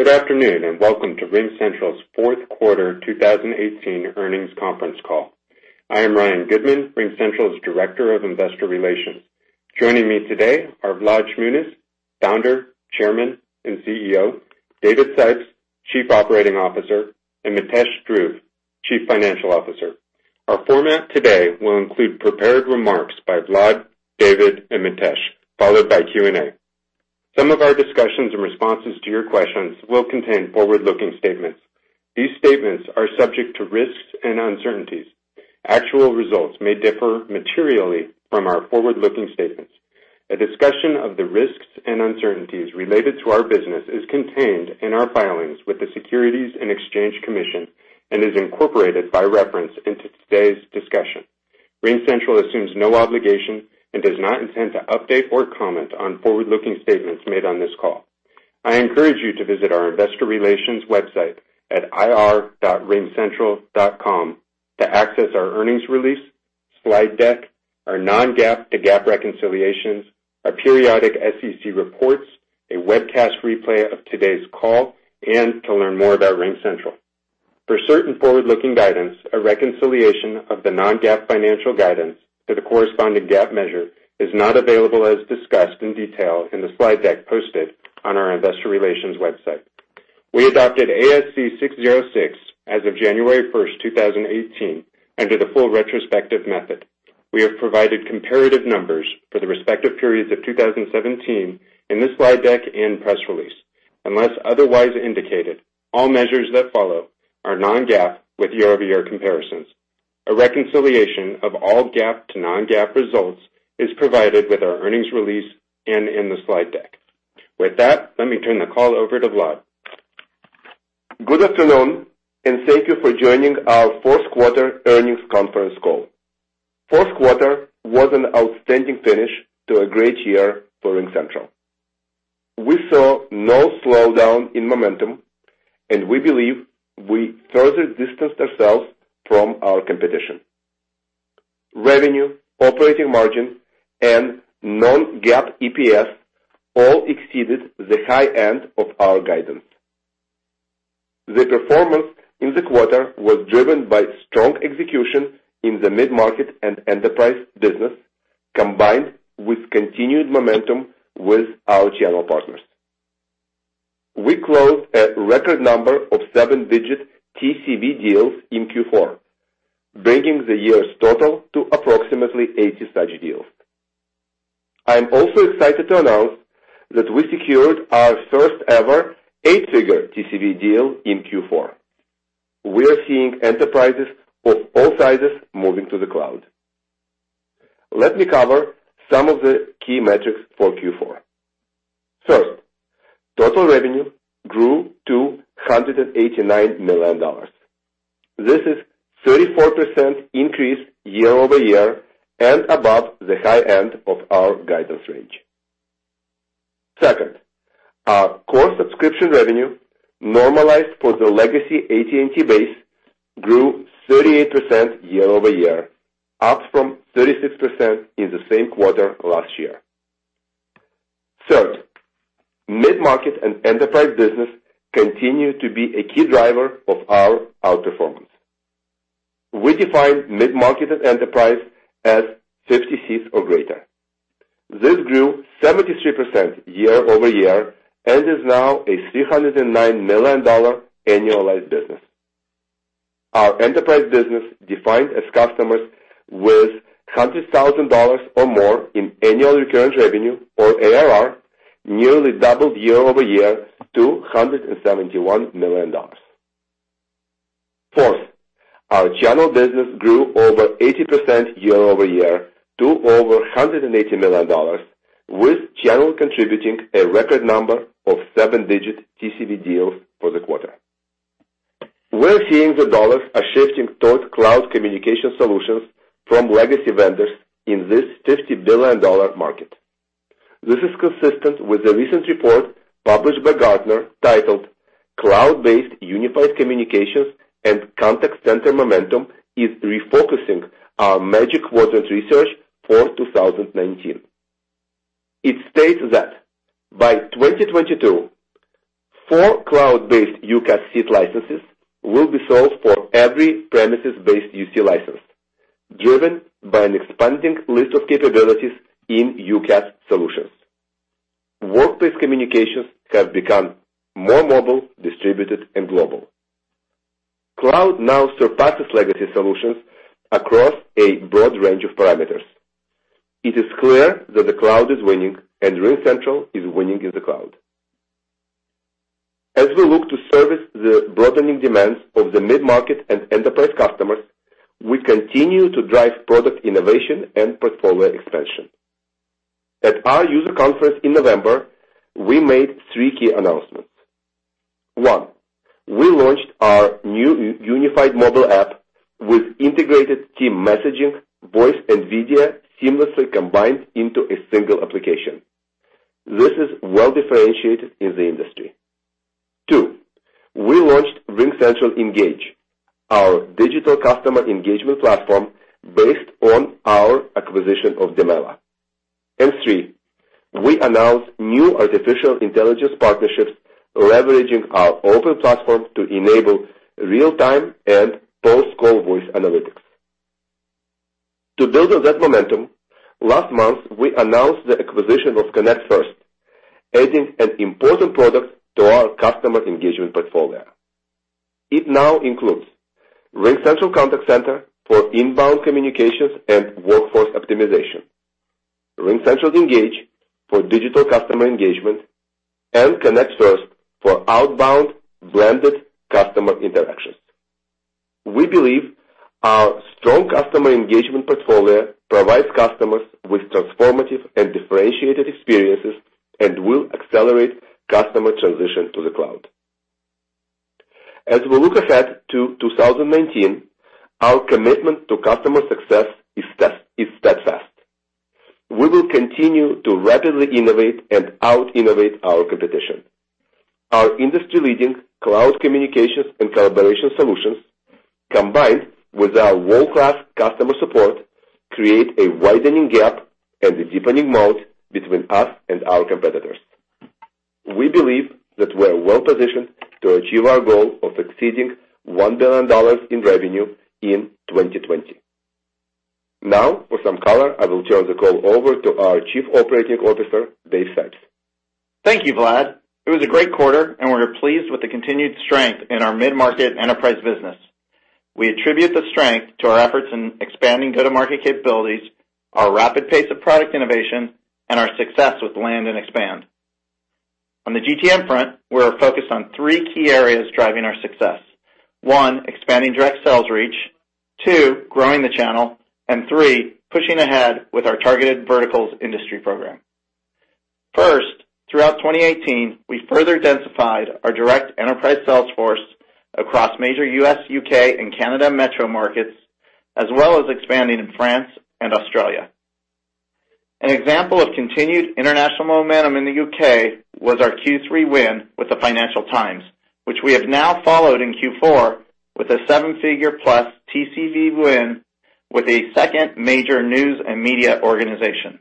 Thank you. Good afternoon, and welcome to RingCentral's fourth quarter 2018 earnings conference call. I am Ryan Goodman, RingCentral's Director of Investor Relations. Joining me today are Vlad Shmunis, Founder, Chairman, and CEO, David Sipes, Chief Operating Officer, and Mitesh Dhruv, Chief Financial Officer. Our format today will include prepared remarks by Vlad, David, and Mitesh, followed by Q&A. Some of our discussions and responses to your questions will contain forward-looking statements. These statements are subject to risks and uncertainties. Actual results may differ materially from our forward-looking statements. A discussion of the risks and uncertainties related to our business is contained in our filings with the Securities and Exchange Commission and is incorporated by reference into today's discussion. RingCentral assumes no obligation and does not intend to update or comment on forward-looking statements made on this call. I encourage you to visit our investor relations website at ir.ringcentral.com to access our earnings release, slide deck, our non-GAAP to GAAP reconciliations, our periodic SEC reports, a webcast replay of today's call, and to learn more about RingCentral. For certain forward-looking guidance, a reconciliation of the non-GAAP financial guidance to the corresponding GAAP measure is not available as discussed in detail in the slide deck posted on our investor relations website. We adopted ASC 606 as of January 1st, 2018, under the full retrospective method. We have provided comparative numbers for the respective periods of 2017 in the slide deck and press release. Unless otherwise indicated, all measures that follow are non-GAAP with year-over-year comparisons. A reconciliation of all GAAP to non-GAAP results is provided with our earnings release and in the slide deck. With that, let me turn the call over to Vlad. Good afternoon, and thank you for joining our fourth quarter earnings conference call. Fourth quarter was an outstanding finish to a great year for RingCentral. We saw no slowdown in momentum. We believe we further distanced ourselves from our competition. Revenue, operating margin, and non-GAAP EPS all exceeded the high end of our guidance. The performance in the quarter was driven by strong execution in the mid-market and enterprise business, combined with continued momentum with our channel partners. We closed a record number of seven-digit TCV deals in Q4, bringing the year's total to approximately 80 such deals. I am also excited to announce that we secured our first ever eight-figure TCV deal in Q4. We're seeing enterprises of all sizes moving to the cloud. Let me cover some of the key metrics for Q4. Total revenue grew to $189 million. This is 34% increase year-over-year and above the high end of our guidance range. Our core subscription revenue, normalized for the legacy AT&T base, grew 38% year-over-year, up from 36% in the same quarter last year. Mid-market and enterprise business continue to be a key driver of our outperformance. We define mid-market and enterprise as 50 seats or greater. This grew 73% year-over-year and is now a $309 million annualized business. Our enterprise business, defined as customers with $100,000 or more in annual recurring revenue or ARR, nearly doubled year-over-year to $171 million. Our channel business grew over 80% year-over-year to over $180 million, with channel contributing a record number of seven-digit TCV deals for the quarter. We're seeing the dollars are shifting towards cloud communication solutions from legacy vendors in this $50 billion market. This is consistent with the recent report published by Gartner titled Cloud-based Unified Communications and Contact Center Momentum is Refocusing Our Magic Quadrant Research for 2019. It states that by 2022, four cloud-based UCaaS seat licenses will be sold for every premises-based UC license, driven by an expanding list of capabilities in UCaaS solutions. Workplace communications have become more mobile, distributed, and global. Cloud now surpasses legacy solutions across a broad range of parameters. It is clear that the cloud is winning, and RingCentral is winning in the cloud. As we look to service the broadening demands of the mid-market and enterprise customers, we continue to drive product innovation and portfolio expansion. At our user conference in November, we made three key announcements. One, we launched our new unified mobile app with integrated team messaging, voice, and video seamlessly combined into a single application. This is well-differentiated in the industry. Two, we launched RingCentral Engage, our digital customer engagement platform based on acquisition of Dimelo. Three, we announced new artificial intelligence partnerships leveraging our open platform to enable real-time and post-call voice analytics. To build on that momentum, last month, we announced the acquisition of Connect First, adding an important product to our customer engagement portfolio. It now includes RingCentral Contact Center for inbound communications and workforce optimization, RingCentral Engage for digital customer engagement, and Connect First for outbound blended customer interactions. We believe our strong customer engagement portfolio provides customers with transformative and differentiated experiences, and will accelerate customer transition to the cloud. As we look ahead to 2019, our commitment to customer success is steadfast. We will continue to rapidly innovate and out-innovate our competition. Our industry-leading cloud communications and collaboration solutions, combined with our world-class customer support, create a widening gap and a deepening moat between us and our competitors. We believe that we're well-positioned to achieve our goal of exceeding $1 billion in revenue in 2020. Now, for some color, I will turn the call over to our Chief Operating Officer, Dave Sipes. Thank you, Vlad. It was a great quarter, and we're pleased with the continued strength in our mid-market enterprise business. We attribute the strength to our efforts in expanding go-to-market capabilities, our rapid pace of product innovation, and our success with land and expand. On the GTM front, we are focused on three key areas driving our success. One, expanding direct sales reach, two, growing the channel, and three, pushing ahead with our targeted verticals industry program. First, throughout 2018, we further densified our direct enterprise sales force across major U.S., U.K., and Canada metro markets, as well as expanding in France and Australia. An example of continued international momentum in the U.K. was our Q3 win with the Financial Times, which we have now followed in Q4 with a seven-figure plus TCV win with a second major news and media organization.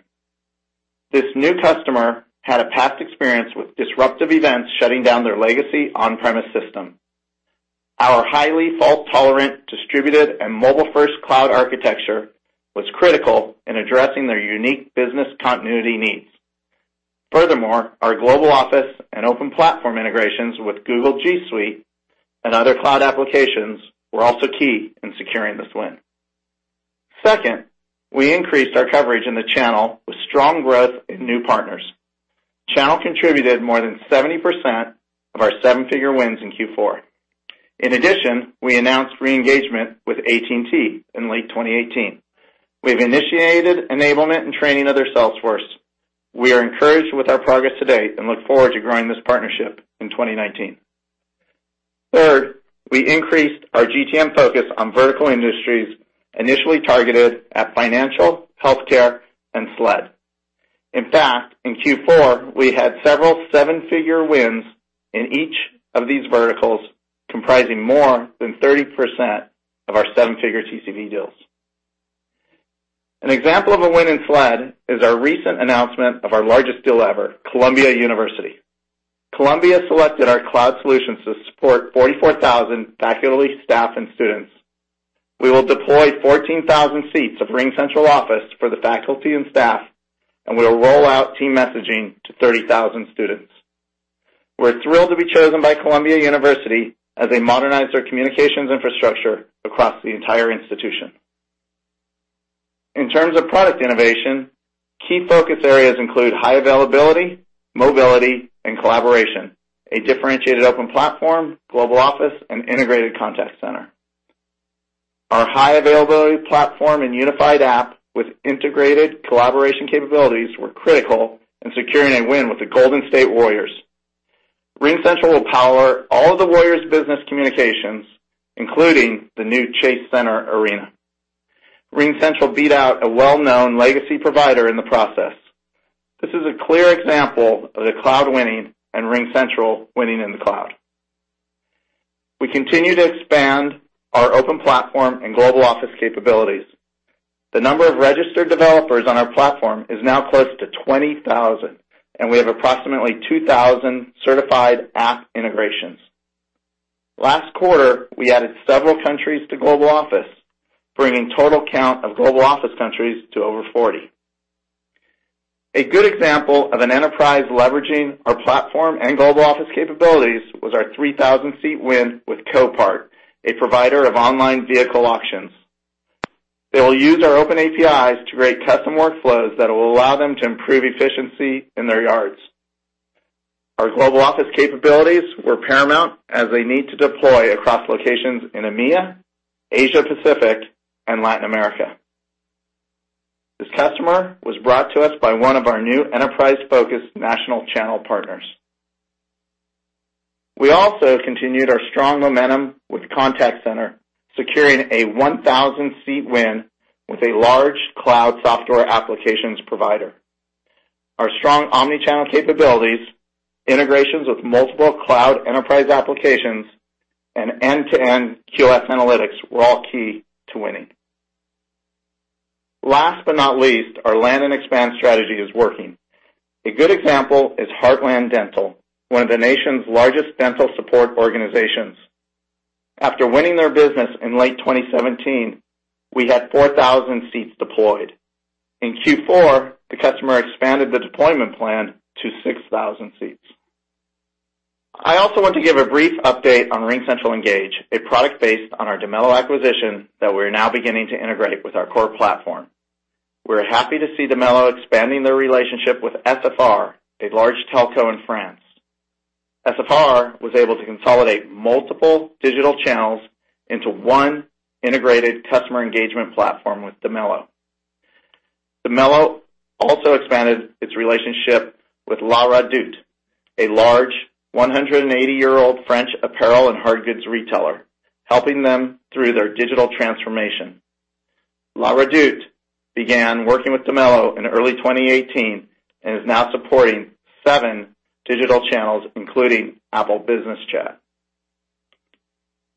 This new customer had a past experience with disruptive events shutting down their legacy on-premise system. Our highly fault-tolerant, distributed, and mobile-first cloud architecture was critical in addressing their unique business continuity needs. Furthermore, our Global Office and open platform integrations with Google G Suite and other cloud applications were also key in securing this win. Second, we increased our coverage in the channel with strong growth in new partners. Channel contributed more than 70% of our seven-figure wins in Q4. In addition, we announced re-engagement with AT&T in late 2018. We've initiated enablement and training of their sales force. We are encouraged with our progress to date and look forward to growing this partnership in 2019. Third, we increased our GTM focus on vertical industries initially targeted at financial, healthcare, and SLED. In fact, in Q4, we had several seven-figure wins in each of these verticals, comprising more than 30% of our seven-figure TCV deals. An example of a win in SLED is our recent announcement of our largest deal ever, Columbia University. Columbia selected our cloud solutions to support 44,000 faculty, staff, and students. We will deploy 14,000 seats of RingCentral Office for the faculty and staff, and we will roll out team messaging to 30,000 students. We're thrilled to be chosen by Columbia University as they modernize their communications infrastructure across the entire institution. In terms of product innovation, key focus areas include high availability, mobility, and collaboration, a differentiated open platform, Global Office, and integrated Contact Center. Our high availability platform and unified app with integrated collaboration capabilities were critical in securing a win with the Golden State Warriors. RingCentral will power all of the Warriors' business communications, including the new Chase Center arena. RingCentral beat out a well-known legacy provider in the process. This is a clear example of the cloud winning and RingCentral winning in the cloud. We continue to expand our open platform and Global Office capabilities. The number of registered developers on our platform is now close to 20,000, and we have approximately 2,000 certified app integrations. Last quarter, we added several countries to Global Office, bringing total count of Global Office countries to over 40. A good example of an enterprise leveraging our platform and Global Office capabilities was our 3,000-seat win with Copart, a provider of online vehicle auctions. They will use our open APIs to create custom workflows that will allow them to improve efficiency in their yards. Our Global Office capabilities were paramount as they need to deploy across locations in EMEA, Asia Pacific, and Latin America. This customer was brought to us by one of our new enterprise-focused national channel partners. We also continued our strong momentum with Contact Center, securing a 1,000-seat win with a large cloud software applications provider. Our strong omni-channel capabilities, integrations with multiple cloud enterprise applications, and end-to-end QOS analytics were all key to winning. Last but not least, our land and expand strategy is working. A good example is Heartland Dental, one of the nation's largest dental support organizations. After winning their business in late 2017, we had 4,000 seats deployed. In Q4, the customer expanded the deployment plan to 6,000 seats. I also want to give a brief update on RingCentral Engage, a product based on our Dimelo acquisition that we're now beginning to integrate with our core platform. We're happy to see Dimelo expanding their relationship with SFR, a large telco in France. SFR was able to consolidate multiple digital channels into one integrated customer engagement platform with Dimelo. Dimelo also expanded its relationship with La Redoute, a large 180-year-old French apparel and hard goods retailer, helping them through their digital transformation. La Redoute began working with Dimelo in early 2018 and is now supporting seven digital channels, including Apple Business Chat.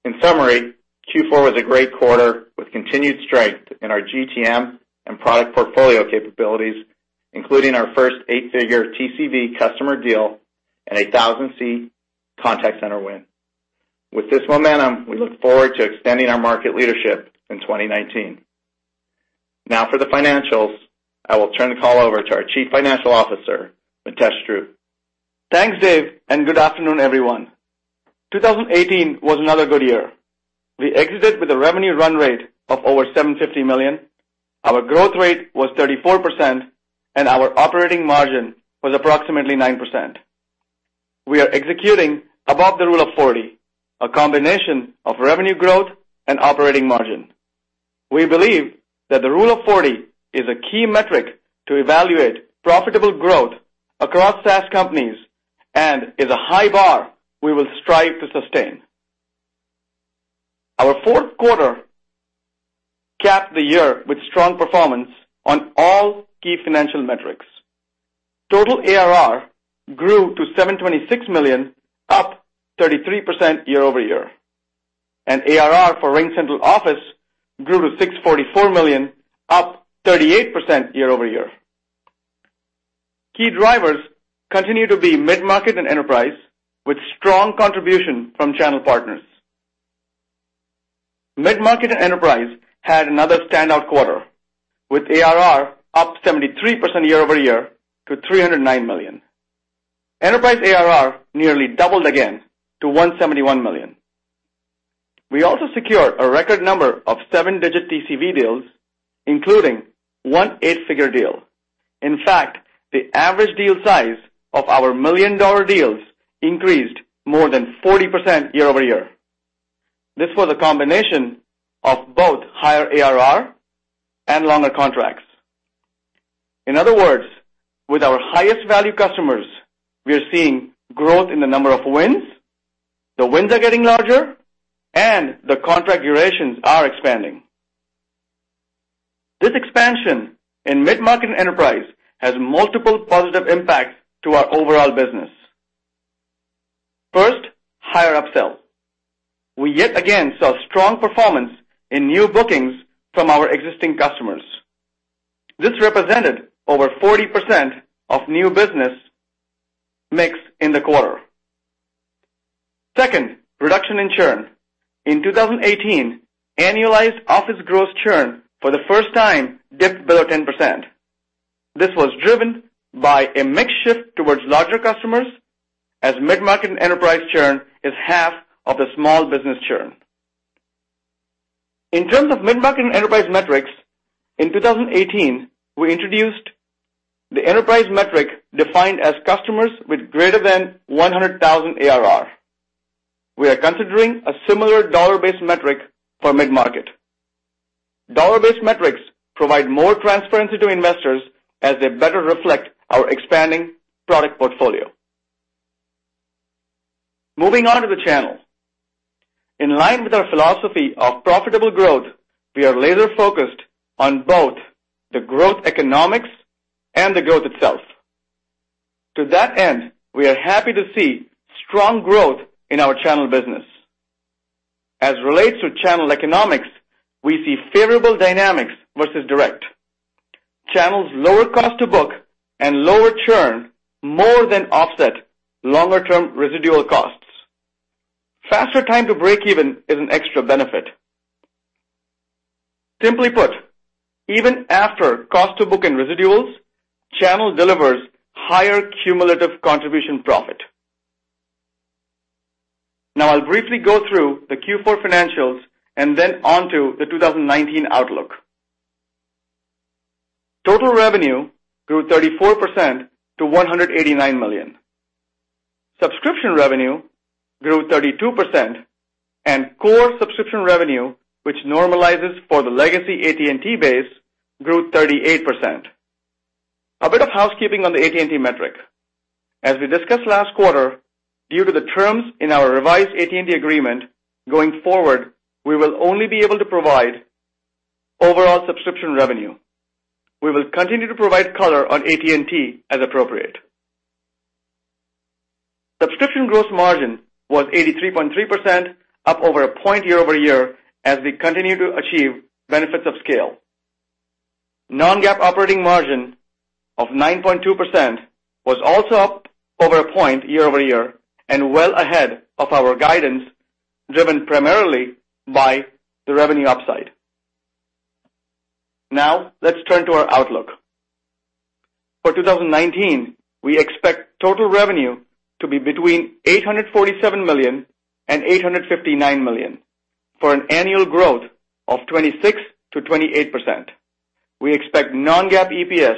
In summary, Q4 was a great quarter with continued strength in our GTM and product portfolio capabilities, including our first eight-figure TCV customer deal and a 1,000-seat Contact Center win. With this momentum, we look forward to extending our market leadership in 2019. Now for the financials, I will turn the call over to our Chief Financial Officer, Mitesh Dhruv. Thanks, Dave, and good afternoon, everyone. 2018 was another good year. We exited with a revenue run rate of over $750 million. Our growth rate was 34%, and our operating margin was approximately 9%. We are executing above the rule of 40, a combination of revenue growth and operating margin. We believe that the rule of 40 is a key metric to evaluate profitable growth across SaaS companies and is a high bar we will strive to sustain. Our fourth quarter capped the year with strong performance on all key financial metrics. Total ARR grew to $726 million, up 33% year-over-year. ARR for RingCentral Office grew to $644 million, up 38% year-over-year. Key drivers continue to be mid-market and enterprise, with strong contribution from channel partners. Mid-market and enterprise had another standout quarter, with ARR up 73% year-over-year to $309 million. Enterprise ARR nearly doubled again to $171 million. We also secured a record number of seven-digit TCV deals, including one eight-figure deal. In fact, the average deal size of our million-dollar deals increased more than 40% year-over-year. This was a combination of both higher ARR and longer contracts. In other words, with our highest value customers, we are seeing growth in the number of wins, the wins are getting larger, and the contract durations are expanding. This expansion in mid-market and enterprise has multiple positive impacts to our overall business. First, higher upsell. We yet again saw strong performance in new bookings from our existing customers. This represented over 40% of new business mix in the quarter. Second, reduction in churn. In 2018, annualized office gross churn for the first time dipped below 10%. This was driven by a mix shift towards larger customers, as mid-market and enterprise churn is half of the small business churn. In terms of mid-market and enterprise metrics, in 2018, we introduced the enterprise metric defined as customers with greater than $100,000 ARR. We are considering a similar dollar-based metric for mid-market. Dollar-based metrics provide more transparency to investors as they better reflect our expanding product portfolio. Moving on to the channel. In line with our philosophy of profitable growth, we are laser-focused on both the growth economics and the growth itself. To that end, we are happy to see strong growth in our channel business. As relates to channel economics, we see favorable dynamics versus direct. Channels lower cost to book and lower churn more than offset longer-term residual costs. Faster time to break even is an extra benefit. Simply put, even after cost to book and residuals, channel delivers higher cumulative contribution profit. I'll briefly go through the Q4 financials and then on to the 2019 outlook. Total revenue grew 34% to $189 million. Subscription revenue grew 32%, and core subscription revenue, which normalizes for the legacy AT&T base, grew 38%. A bit of housekeeping on the AT&T metric. As we discussed last quarter, due to the terms in our revised AT&T agreement, going forward, we will only be able to provide overall subscription revenue. We will continue to provide color on AT&T as appropriate. Subscription gross margin was 83.3%, up over a point year-over-year, as we continue to achieve benefits of scale. Non-GAAP operating margin of 9.2% was also up over a point year-over-year and well ahead of our guidance, driven primarily by the revenue upside. Let's turn to our outlook. For 2019, we expect total revenue to be between $847 million and $859 million, for an annual growth of 26%-28%. We expect non-GAAP EPS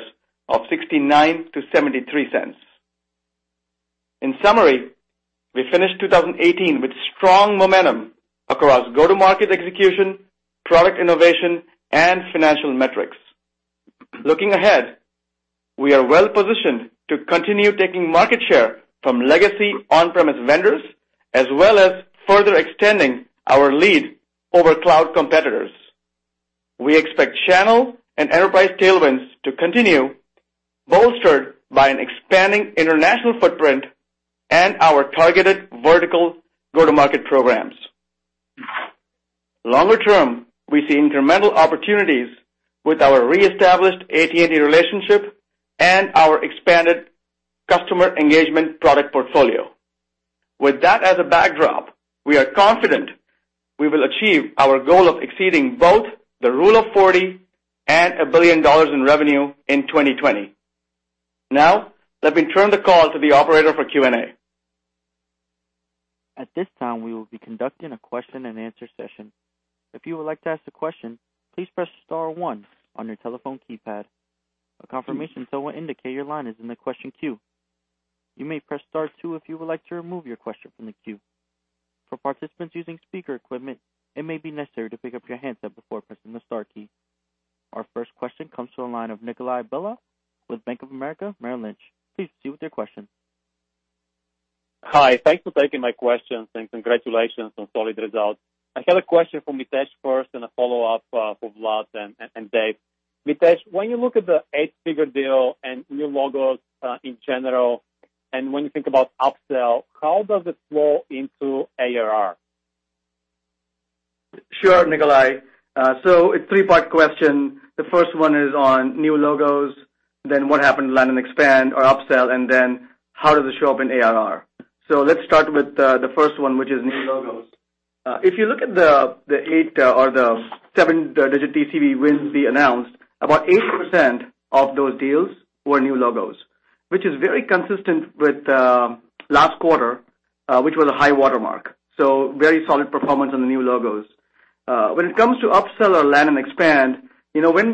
of $0.69-$0.73. In summary, we finished 2018 with strong momentum across go-to-market execution, product innovation, and financial metrics. Looking ahead, we are well-positioned to continue taking market share from legacy on-premise vendors, as well as further extending our lead over cloud competitors. We expect channel and enterprise tailwinds to continue, bolstered by an expanding international footprint and our targeted vertical go-to-market programs. Longer term, we see incremental opportunities with our reestablished AT&T relationship and our expanded customer engagement product portfolio. With that as a backdrop, we are confident we will achieve our goal of exceeding both the rule of 40 and $1 billion in revenue in 2020. Let me turn the call to the operator for Q&A. At this time, we will be conducting a question and answer session. If you would like to ask a question, please press star one on your telephone keypad. A confirmation tone will indicate your line is in the question queue. You may press star two if you would like to remove your question from the queue. For participants using speaker equipment, it may be necessary to pick up your handset before pressing the star key. Our first question comes to the line of Nikolay Beliov with Bank of America Merrill Lynch. Please proceed with your question. Hi. Thanks for taking my questions, and congratulations on solid results. I had a question for Mitesh first and a follow-up for Vlad and Dave. Mitesh, when you look at the eight-figure deal and new logos in general, when you think about upsell, how does it flow into ARR? Sure, Nikolay. A three-part question. The first one is on new logos, then what happened to land and expand or upsell, and then how does it show up in ARR. Let's start with the first one, which is new logos. If you look at the eight or the seven-digit TCV wins we announced, about 80% of those deals were new logos. Which is very consistent with last quarter, which was a high watermark. Very solid performance on the new logos. When it comes to upsell or land and expand, when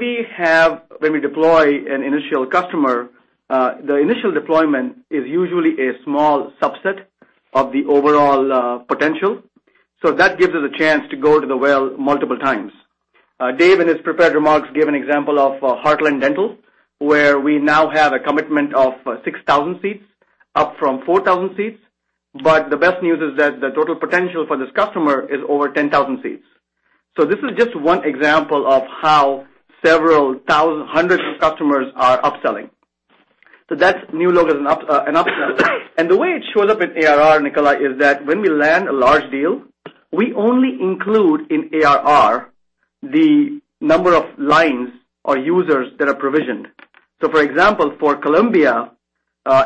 we deploy an initial customer, the initial deployment is usually a small subset of the overall potential. That gives us a chance to go to the well multiple times. Dave, in his prepared remarks, gave an example of Heartland Dental, where we now have a commitment of 6,000 seats, up from 4,000 seats. The best news is that the total potential for this customer is over 10,000 seats. This is just one example of how several hundreds of customers are upselling. That's new logos and upsell. The way it shows up in ARR, Nikolay, is that when we land a large deal, we only include in ARR the number of lines or users that are provisioned. For example, for Columbia,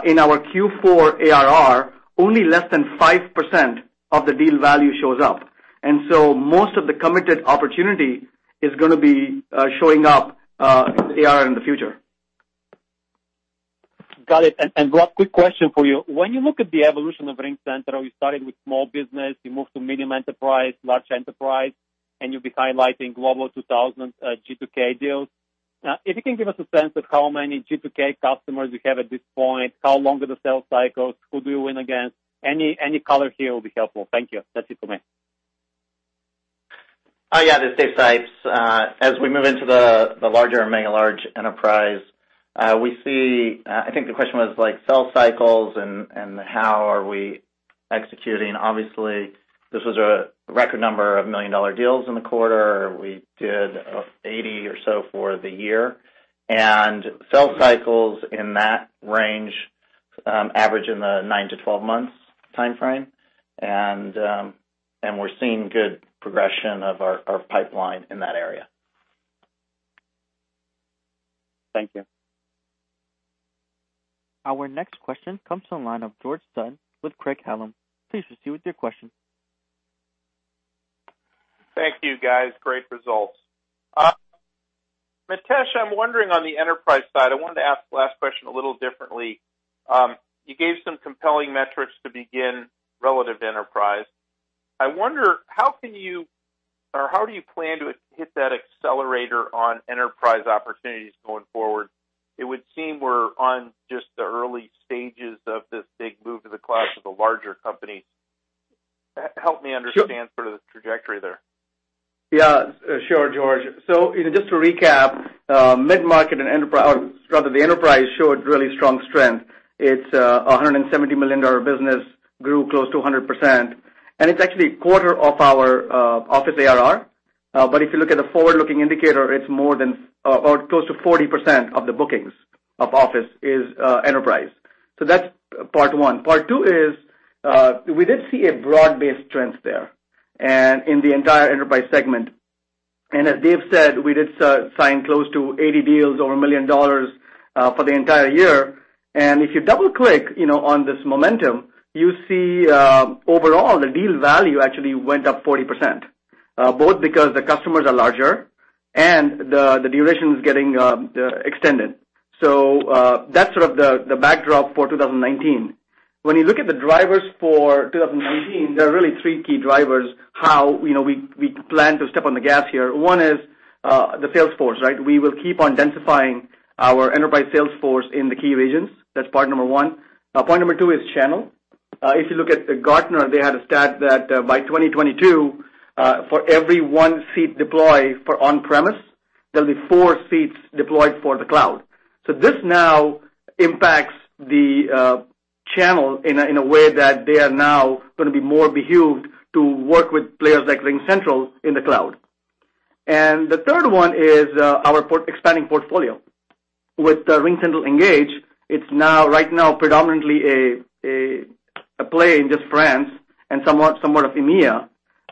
in our Q4 ARR, only less than 5% of the deal value shows up. Most of the committed opportunity is going to be showing up in ARR in the future. Got it. Vlad, quick question for you. When you look at the evolution of RingCentral, you started with small business, you moved to medium enterprise, large enterprise, and you'll be highlighting Global 2000 G2K deals. If you can give us a sense of how many G2K customers you have at this point, how long are the sales cycles, who do you win against? Any color here will be helpful. Thank you. That's it for me. This is Dave Sipes. As we move into the larger and mega large enterprise, I think the question was like sales cycles and how are we executing. Obviously, this was a record number of million-dollar deals in the quarter. We did 80 or so for the year. Sales cycles in that range, average in the 9 to 12 months timeframe. We're seeing good progression of our pipeline in that area. Thank you. Our next question comes to the line of George Sutton with Craig-Hallum. Please proceed with your question. Thank you, guys. Great results. Mitesh, I'm wondering on the enterprise side, I wanted to ask the last question a little differently. You gave some compelling metrics to begin relative to enterprise. I wonder, how do you plan to hit that accelerator on enterprise opportunities going forward? It would seem we're on just the early stages of this big move to the cloud to the larger companies. Help me understand sort of the trajectory there. Yeah. Sure, George. Just to recap, mid-market and enterprise, rather, the enterprise showed really strong strength. Its $170 million business grew close to 100%. It's actually a quarter of our office ARR. If you look at the forward-looking indicator, it's more than, or close to 40% of the bookings of office is enterprise. That's part one. Part two is, we did see a broad-based trends there and in the entire enterprise segment. As Dave said, we did sign close to 80 deals over $1 million for the entire year. If you double-click on this momentum, you see, overall, the deal value actually went up 40%, both because the customers are larger and the duration is getting extended. That's sort of the backdrop for 2019. When you look at the drivers for 2019, there are really three key drivers how we plan to step on the gas here. One is the sales force. We will keep on densifying our enterprise sales force in the key regions. That's part number one. Part number two is channel. If you look at Gartner, they had a stat that by 2022, for every one seat deployed for on-premise, there'll be four seats deployed for the cloud. This now impacts the channel in a way that they are now going to be more behooved to work with players like RingCentral in the cloud. The third one is our expanding portfolio. With RingCentral Engage, it's right now predominantly a play in just France and somewhat of EMEA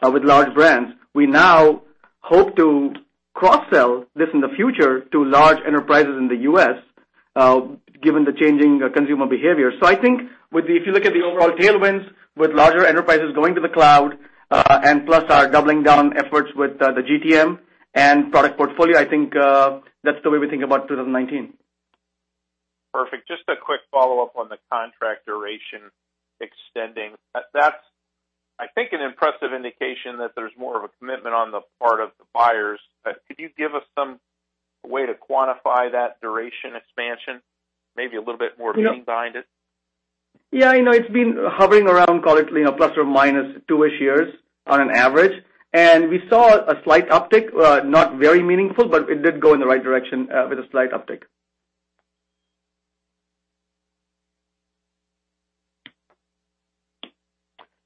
with large brands. We now hope to cross-sell this in the future to large enterprises in the U.S., given the changing consumer behavior. I think if you look at the overall tailwinds with larger enterprises going to the cloud, and plus our doubling down efforts with the GTM and product portfolio, I think that's the way we think about 2019. Perfect. Just a quick follow-up on the contract duration extending. That's, I think, an impressive indication that there's more of a commitment on the part of the buyers. Could you give us some way to quantify that duration expansion, maybe a little bit more meaning behind it? Yeah. It's been hovering around, call it, plus or minus two-ish years on an average. We saw a slight uptick, not very meaningful, but it did go in the right direction with a slight uptick.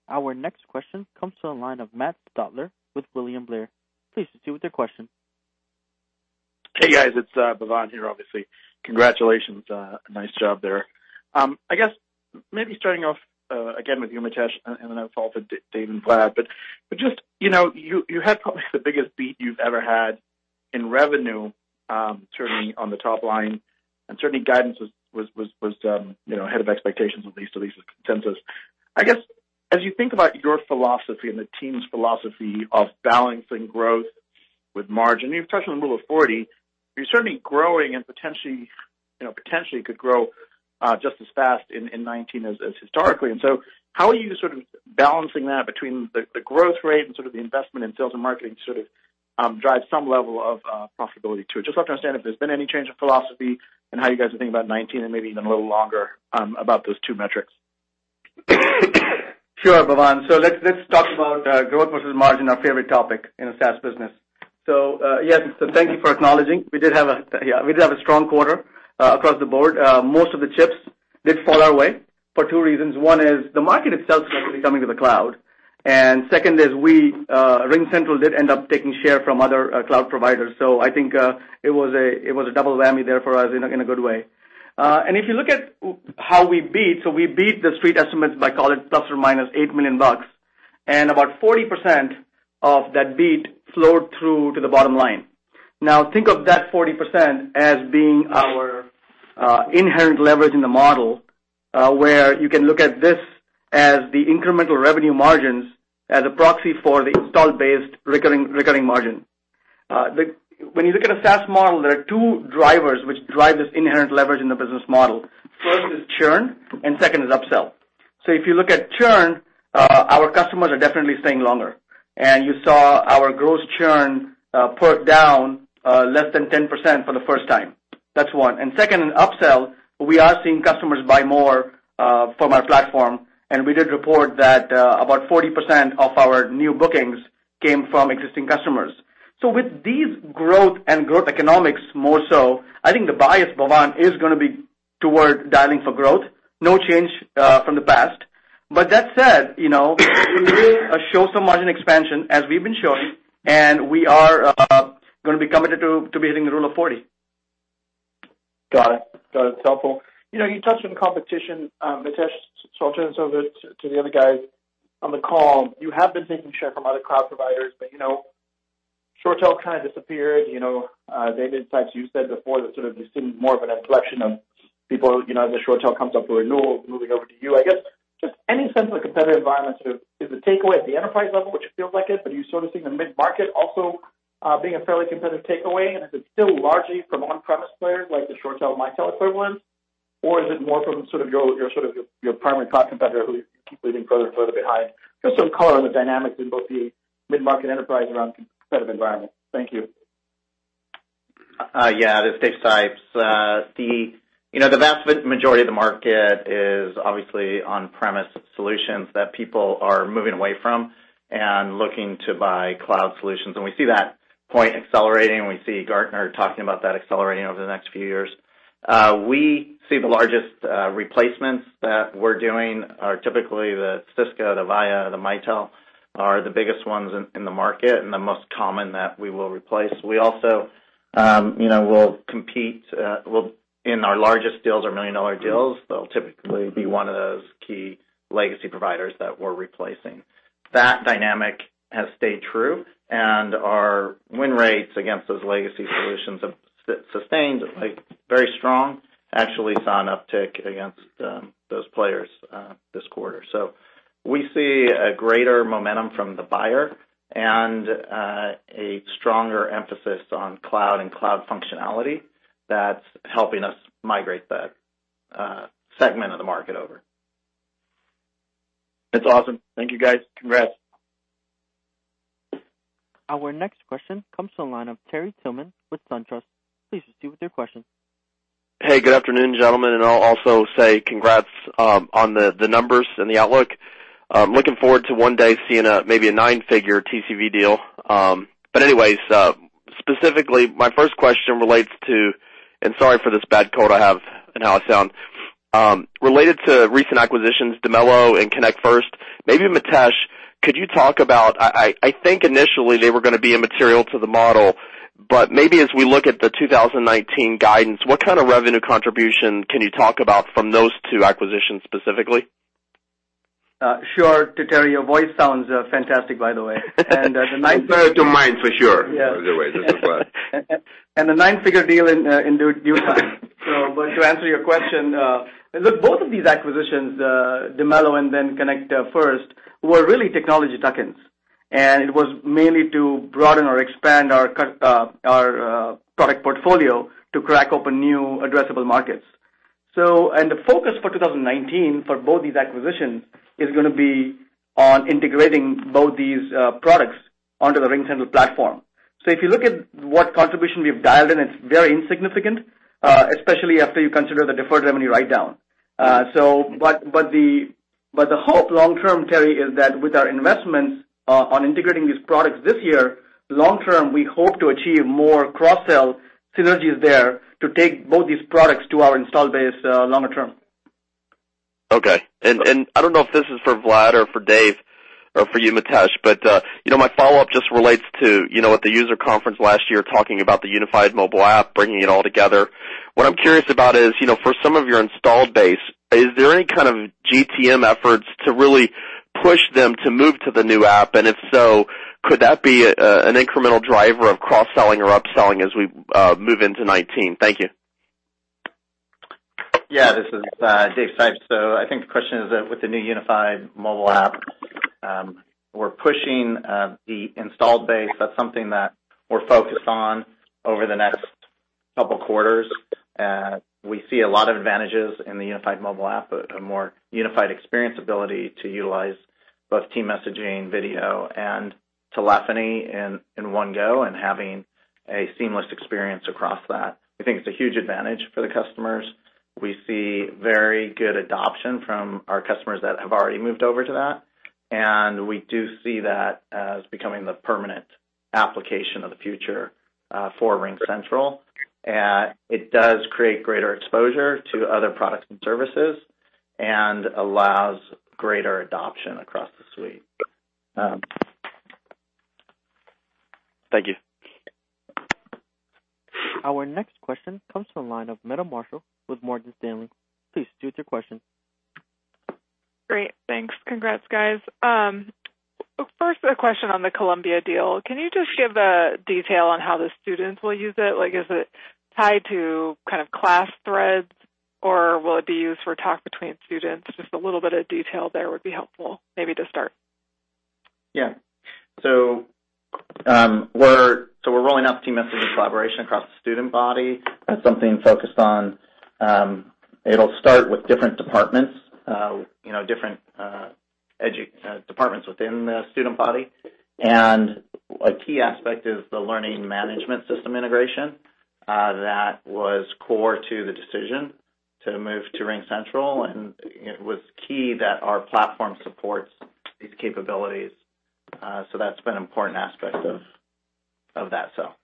Our next question comes from the line of Matt Stotler with William Blair. Please proceed with your question. Hey, guys, it's Bhavan here, obviously. Congratulations. Nice job there. I guess maybe starting off, again, with you, Mitesh, then I'll fall to Dave and Vlad. You had probably the biggest beat you've ever had in revenue, certainly on the top line, and certainly guidance was ahead of expectations, at least the consensus. I guess, as you think about your philosophy and the team's philosophy of balancing growth with margin, you've touched on the rule of 40. You're certainly growing and potentially could grow just as fast in 2019 as historically. How are you sort of balancing that between the growth rate and sort of the investment in sales and marketing to sort of drive some level of profitability too? Just like to understand if there's been any change of philosophy and how you guys are thinking about 2019 and maybe even a little longer about those two metrics. Sure, Bhavan. Let's talk about growth versus margin, our favorite topic in a SaaS business. Yes, thank you for acknowledging. We did have a strong quarter across the board. Most of the chips did fall our way for two reasons. One is the market itself is actually coming to the cloud. Second is RingCentral did end up taking share from other cloud providers. I think it was a double whammy there for us in a good way. If you look at how we beat, we beat the street estimates by, call it, ±$8 million. About 40% of that beat flowed through to the bottom line. Now think of that 40% as being our inherent leverage in the model, where you can look at this as the incremental revenue margins as a proxy for the install-based recurring margin. When you look at a SaaS model, there are two drivers which drive this inherent leverage in the business model. First is churn, and second is upsell. If you look at churn, our customers are definitely staying longer. You saw our gross churn put down less than 10% for the first time. That's one. Second, in upsell, we are seeing customers buy more from our platform, and we did report that about 40% of our new bookings came from existing customers. With these growth and growth economics more so, I think the bias, Bhavan, is going to be toward dialing for growth. No change from the past. That said, we did show some margin expansion, as we've been showing, and we are going to be committed to beating the rule of 40. Got it. That's helpful. You touched on competition, Mitesh, I'll turn this over to the other guys on the call. You have been taking share from other cloud providers, but ShoreTel kind of disappeared. David Sipes, you said before that sort of this is more of an inflection of people as the ShoreTel comes up for renewal, moving over to you. I guess, just any sense of the competitive environment, is the takeaway at the enterprise level, which it feels like it, but are you sort of seeing the mid-market also being a fairly competitive takeaway? Is it still largely from on-premise players like the ShoreTel-Mitel equivalent, or is it more from sort of your primary cloud competitor who you keep leaving further and further behind? Just some color on the dynamics in both the mid-market enterprise around competitive environment. Thank you. Yeah. This is Dave Sipes. The vast majority of the market is obviously on-premise solutions that people are moving away from and looking to buy cloud solutions. We see that point accelerating. We see Gartner talking about that accelerating over the next few years. We see the largest replacements that we're doing are typically the Cisco, the Avaya, the Mitel are the biggest ones in the market and the most common that we will replace. We also will compete in our largest deals or $1 million deals. They'll typically be one of those key legacy providers that we're replacing. That dynamic has stayed true, and our win rates against those legacy solutions have sustained very strong, actually saw an uptick against those players this quarter. We see a greater momentum from the buyer and a stronger emphasis on cloud and cloud functionality that's helping us migrate that segment of the market over. That's awesome. Thank you, guys. Congrats. Our next question comes from the line of Terry Tillman with SunTrust. Please proceed with your question. Hey, good afternoon, gentlemen. I'll also say congrats on the numbers and the outlook. Looking forward to one day seeing maybe a nine-figure TCV deal. Anyways, specifically, my first question relates to... Sorry for this bad cold I have and how I sound. Related to recent acquisitions, Dimelo and Connect First, maybe Mitesh, could you talk about, I think initially they were going to be immaterial to the model, but maybe as we look at the 2019 guidance, what kind of revenue contribution can you talk about from those two acquisitions specifically? Sure. Terry, your voice sounds fantastic, by the way. Compared to mine, for sure, by the way. This is Vlad. The nine-figure deal in due time. But to answer your question, look, both of these acquisitions, Dimelo and then Connect First, were really technology tuck-ins, and it was mainly to broaden or expand our product portfolio to crack open new addressable markets. The focus for 2019 for both these acquisitions is going to be on integrating both these products onto the RingCentral platform. If you look at what contribution we've dialed in, it's very insignificant, especially after you consider the deferred revenue write-down. But the hope long term, Terry, is that with our investments on integrating these products this year, long term, we hope to achieve more cross-sell synergies there to take both these products to our installed base longer term. Okay. I don't know if this is for Vlad or for Dave or for you, Mitesh, but my follow-up just relates to at the user conference last year, talking about the unified mobile app, bringing it all together. What I'm curious about is, for some of your installed base, is there any kind of GTM efforts to really push them to move to the new app? If so, could that be an incremental driver of cross-selling or upselling as we move into 2019? Thank you. Yeah, this is Dave Sipes. I think the question is that with the new unified mobile app, we're pushing the installed base. That's something that we're focused on over the next couple of quarters. We see a lot of advantages in the unified mobile app, a more unified experience ability to utilize both team messaging, video, and telephony in one go and having a seamless experience across that. I think it's a huge advantage for the customers. We see very good adoption from our customers that have already moved over to that, and we do see that as becoming the permanent application of the future for RingCentral. It does create greater exposure to other products and services and allows greater adoption across the suite. Thank you. Our next question comes from the line of Meta Marshall with Morgan Stanley. Please proceed with your question. Great. Thanks. Congrats, guys. First, a question on the Columbia deal. Can you just give the detail on how the students will use it? Like, is it tied to kind of class threads, or will it be used for talk between students? Just a little bit of detail there would be helpful maybe to start. Yeah. We're rolling out team messaging collaboration across the student body. That's something focused on It'll start with different departments within the student body. A key aspect is the learning management system integration that was core to the decision to move to RingCentral, and it was key that our platform supports these capabilities. That's been an important aspect of that sale.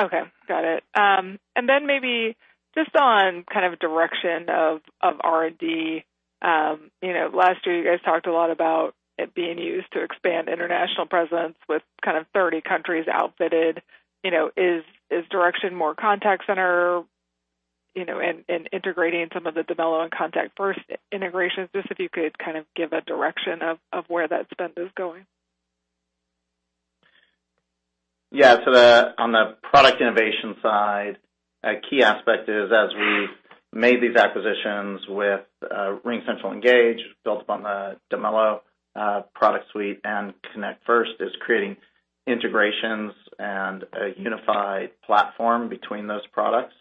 Okay, got it. Then maybe just on kind of direction of R&D. Last year you guys talked a lot about it being used to expand international presence with kind of 30 countries outfitted. Is direction more RingCentral Contact Center and integrating some of the Dimelo and Connect First integrations? If you could kind of give a direction of where that spend is going. Yeah. On the product innovation side, a key aspect is as we made these acquisitions with RingCentral Engage, built upon the Dimelo product suite and Connect First is creating integrations and a unified platform between those products,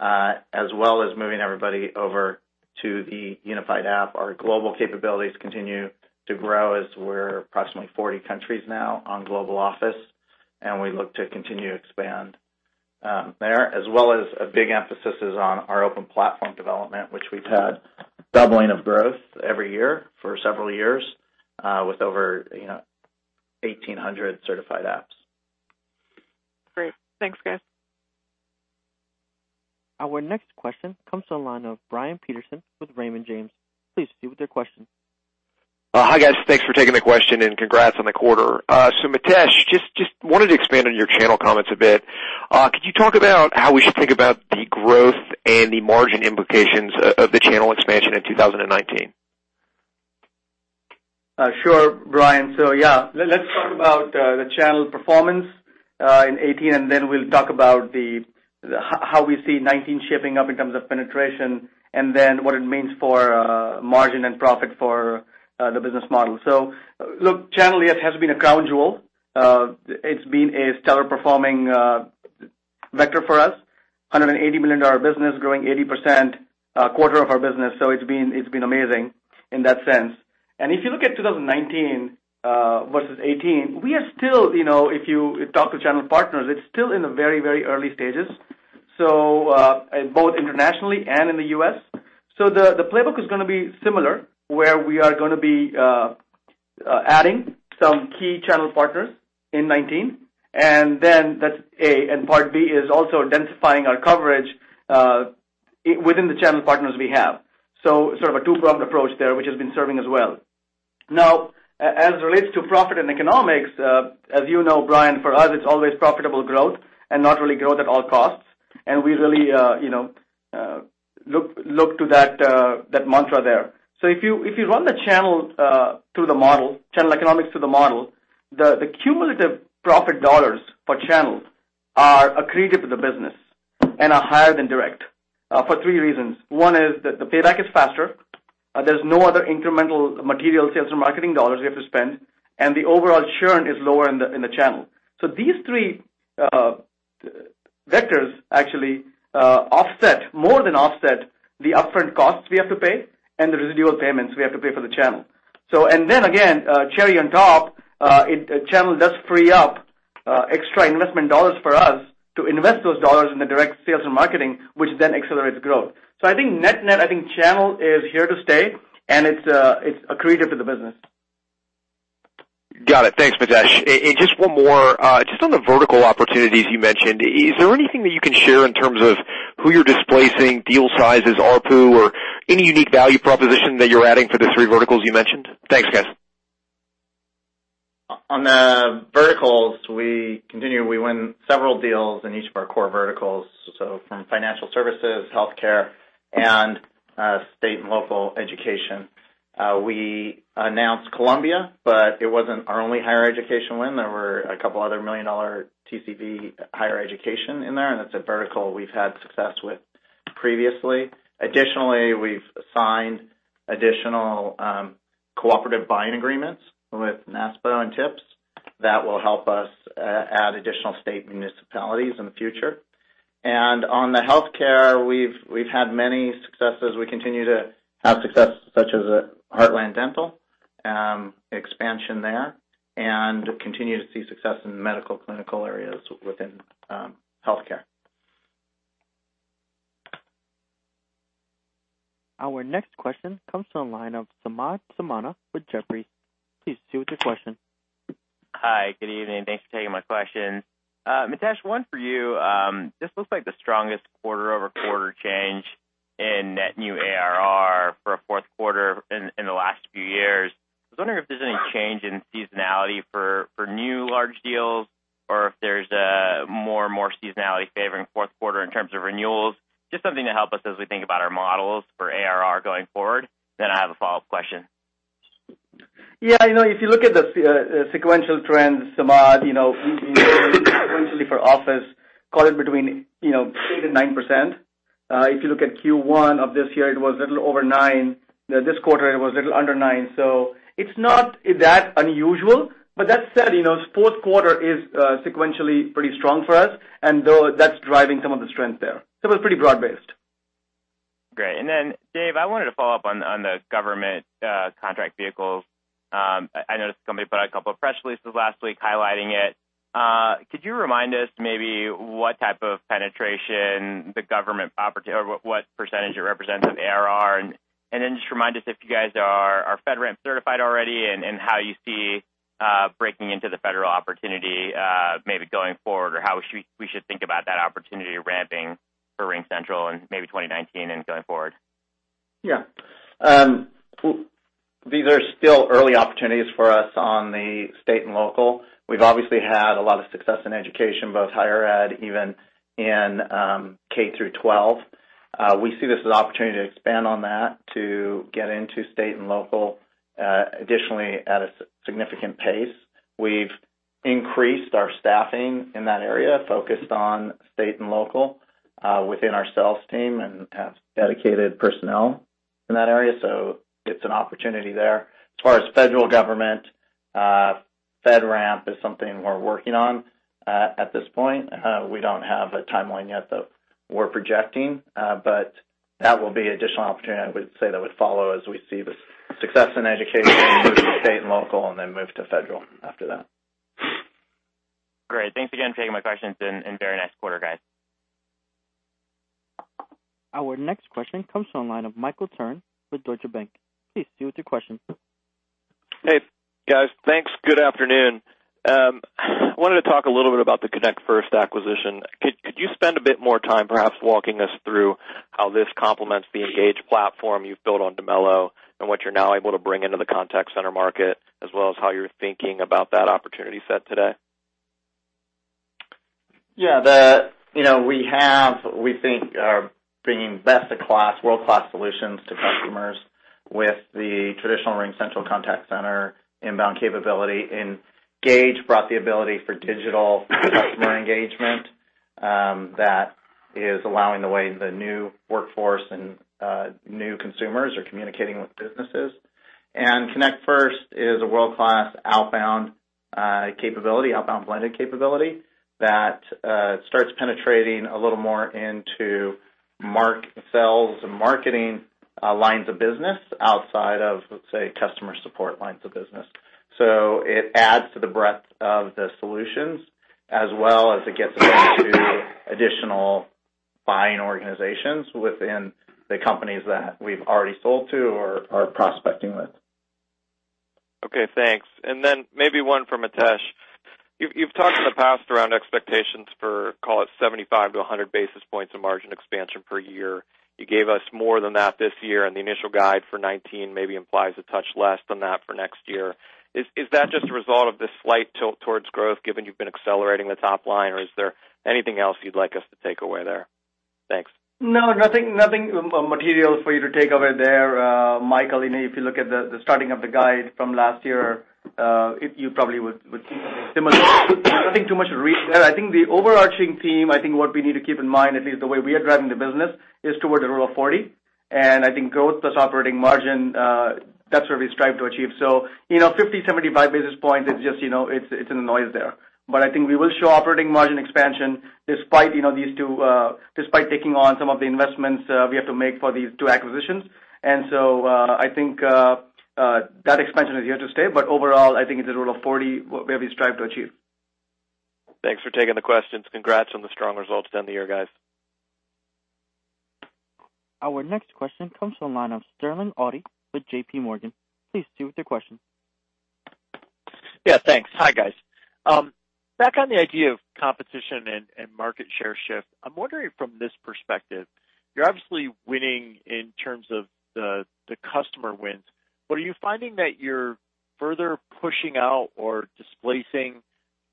as well as moving everybody over to the unified app. Our global capabilities continue to grow as we're approximately 40 countries now on RingCentral Global Office, and we look to continue to expand there. As well as a big emphasis is on our open platform development, which we've had doubling of growth every year for several years with over 1,800 certified apps. Great. Thanks, guys. Our next question comes to the line of Brian Peterson with Raymond James. Please proceed with your question. Hi, guys. Thanks for taking the question, and congrats on the quarter. Mitesh, just wanted to expand on your channel comments a bit. Could you talk about how we should think about the growth and the margin implications of the channel expansion in 2019? Sure, Brian. Let's talk about the channel performance in 2018, and then we'll talk about how we see 2019 shaping up in terms of penetration and then what it means for margin and profit for the business model. Channel has been a crown jewel. It's been a stellar performing vector for us, $180 million business growing 80% quarter of our business. It's been amazing in that sense. If you look at 2019, versus 2018, we are still, if you talk to channel partners, it's still in the very early stages, both internationally and in the U.S. The playbook is going to be similar, where we are going to be adding some key channel partners in 2019, and then that's A. Part B is also densifying our coverage within the channel partners we have. Sort of a two-pronged approach there, which has been serving us well. Now, as it relates to profit and economics, as you know, Brian, for us it's always profitable growth and not really growth at all costs. We really look to that mantra there. If you run the channel economics through the model, the cumulative profit dollars for channels are accretive to the business and are higher than direct, for three reasons. One is that the payback is faster. There's no other incremental material sales or marketing dollars we have to spend, and the overall churn is lower in the channel. These three vectors actually more than offset the upfront costs we have to pay and the residual payments we have to pay for the channel. Again, cherry on top, channel does free up extra investment dollars for us to invest those dollars in the direct sales and marketing, which then accelerates growth. I think net-net, I think channel is here to stay, and it's accretive to the business. Got it. Thanks, Mitesh. Just one more. Just on the vertical opportunities you mentioned, is there anything that you can share in terms of who you're displacing, deal sizes, ARPU, or any unique value proposition that you're adding for the three verticals you mentioned? Thanks, guys. On the verticals, we continue. We won several deals in each of our core verticals. From financial services, healthcare, and state and local education. We announced Columbia, but it wasn't our only higher education win. There were a couple other million-dollar TCV higher education in there, and that's a vertical we've had success with previously. Additionally, we've signed additional cooperative buying agreements with NASPO and TIPS that will help us add additional state municipalities in the future. On the healthcare, we've had many successes. We continue to have success such as Heartland Dental expansion there and continue to see success in medical clinical areas within healthcare. Our next question comes to the line of Samad Samana with Jefferies. Please proceed with your question. Hi, good evening. Thanks for taking my questions. Mitesh, one for you. This looks like the strongest quarter-over-quarter change in net new ARR for a fourth quarter in the last few years. I was wondering if there's any change in seasonality for new large deals or if there's more and more seasonality favoring fourth quarter in terms of renewals. Just something to help us as we think about our models for ARR going forward. I have a follow-up question. If you look at the sequential trends, Samad, sequentially for RingCentral Office, call it between 8% and 9%. If you look at Q1 of this year, it was a little over 9%. This quarter, it was a little under 9%. It's not that unusual. That said, fourth quarter is sequentially pretty strong for us, and that's driving some of the strength there. We're pretty broad-based. Great. Dave, I wanted to follow up on the government contract vehicles. I noticed the company put out a couple of press releases last week highlighting it. Could you remind us maybe what type of penetration the government opportunity, or what percentage it represents of ARR? Just remind us if you guys are FedRAMP certified already and how you see breaking into the federal opportunity maybe going forward, or how we should think about that opportunity ramping for RingCentral in maybe 2019 and going forward. These are still early opportunities for us on the state and local. We've obviously had a lot of success in education, both higher ed, even in K through 12. We see this as an opportunity to expand on that, to get into state and local. Additionally, at a significant pace, we've increased our staffing in that area, focused on state and local, within our sales team and have dedicated personnel in that area. It's an opportunity there. As far as federal government, FedRAMP is something we're working on. At this point, we don't have a timeline yet that we're projecting. That will be additional opportunity, I would say, that would follow as we see the success in education, move to state and local, and then move to federal after that. Great. Thanks again for taking my questions, very nice quarter, guys. Our next question comes from the line of Michael Turrin with Deutsche Bank. Please proceed with your question. Hey, guys. Thanks. Good afternoon. I wanted to talk a little bit about the Connect First acquisition. Could you spend a bit more time perhaps walking us through how this complements the RingCentral Engage platform you've built on Dimelo, and what you're now able to bring into the Contact Center market, as well as how you're thinking about that opportunity set today? Yeah. We think are bringing best in class, world-class solutions to customers with the traditional RingCentral Contact Center inbound capability. Engage brought the ability for digital customer engagement that is allowing the way the new workforce and new consumers are communicating with businesses. Connect First is a world-class outbound blended capability that starts penetrating a little more into sales and marketing lines of business outside of, let's say, customer support lines of business. It adds to the breadth of the solutions as well as it gets us into additional buying organizations within the companies that we've already sold to or are prospecting with. Okay, thanks. Then maybe one for Mitesh. You've talked in the past around expectations for, call it 75-100 basis points of margin expansion per year. You gave us more than that this year, and the initial guide for 2019 maybe implies a touch less than that for next year. Is that just a result of this slight tilt towards growth, given you've been accelerating the top line, or is there anything else you'd like us to take away there? Thanks. No, nothing material for you to take away there, Michael. If you look at the starting of the guide from last year, you probably would see something similar. Nothing too much to read there. I think the overarching theme, I think what we need to keep in mind, at least the way we are driving the business, is toward the rule of 40. Growth plus operating margin, that's where we strive to achieve. 50, 75 basis points, it's in the noise there. I think we will show operating margin expansion despite taking on some of the investments we have to make for these two acquisitions. I think that expansion is here to stay. Overall, I think it's a rule of 40 where we strive to achieve. Thanks for taking the questions. Congrats on the strong results down the year, guys. Our next question comes from the line of Sterling Auty with JPMorgan. Please proceed with your question. Thanks. Hi, guys. Back on the idea of competition and market share shift, I'm wondering from this perspective, you're obviously winning in terms of the customer wins, are you finding that you're further pushing out or displacing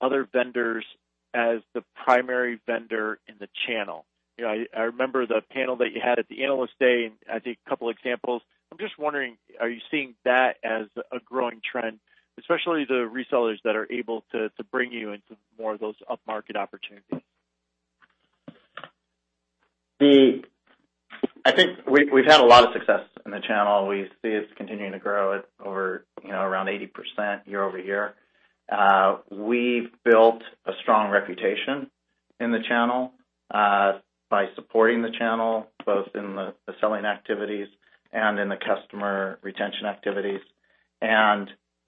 other vendors as the primary vendor in the channel? I remember the panel that you had at the Analyst Day, I think a couple of examples. I'm just wondering, are you seeing that as a growing trend, especially the resellers that are able to bring you into more of those upmarket opportunities? I think we've had a lot of success in the channel. We see it's continuing to grow at over around 80% year-over-year. We've built a strong reputation in the channel by supporting the channel, both in the selling activities and in the customer retention activities.